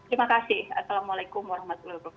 terima kasih assalamualaikum warahmatullahi wabarakatuh